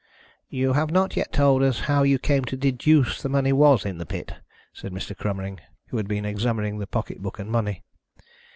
"You have not yet told us how you came to deduce that the money was in the pit," said Mr. Cromering, who had been examining the pocket book and money.